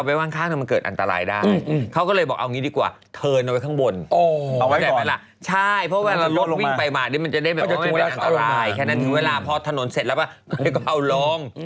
เพราะฉะนั้นให้หลักกิโล